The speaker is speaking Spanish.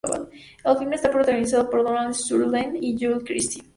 El film está protagonizado por Donald Sutherland y Julie Christie.